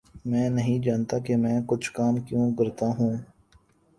میں نہیں جانتا کہ میں کچھ کام کیوں کرتا ہوں